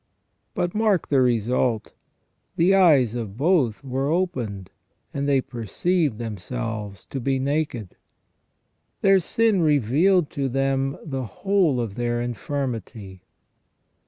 But mark the result :" The eyes of both were opened, and they perceived themselves to be naked ". Their sin revealed to them the whole of their infirmity.